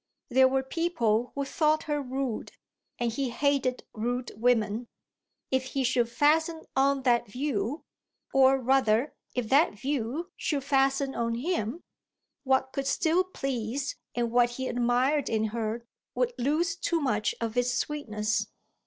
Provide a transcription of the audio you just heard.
There were people who thought her rude, and he hated rude women. If he should fasten on that view, or rather if that view should fasten on him, what could still please and what he admired in her would lose too much of its sweetness.